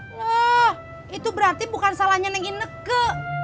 wah itu berarti bukan salahnya neng ineke